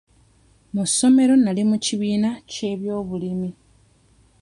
Mu ssomero, nali mu kibiina ky'ebyobulimi.